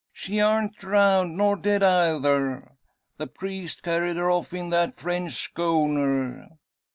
She arn't drowned; nor dead eyther! The priest carried her off in that French schooner.